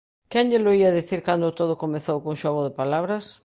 Quen llelo ía dicir cando todo comezou cun xogo de palabras?